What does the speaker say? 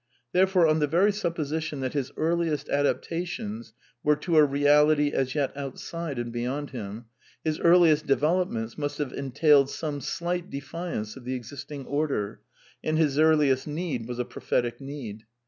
Therefore, on the very supposition that his earliest adap tations were to a reality as yet outside and beyond him, his earliest developments must have entailed some slight de fiance of the existing order, and his earliest need was a prophetic need.